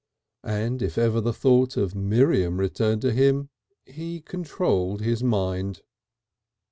And if ever the thought of Miriam returned to him he controlled his mind.